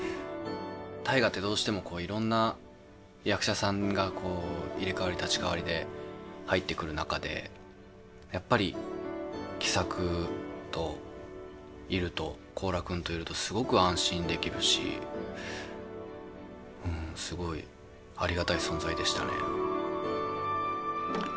「大河」ってどうしてもいろんな役者さんが入れ代わり立ち代わりで入ってくる中でやっぱり喜作といると高良君といるとすごく安心できるしすごいありがたい存在でしたね。